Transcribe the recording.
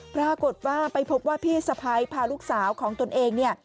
ปรากฏว่าไปพบว่าพี่สะพ้ายพาลูกสาวของตนเองเนี่ย